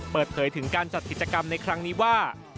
เปิดเผยถึงการจัดกิจกรรมในครั้งนี้ว่า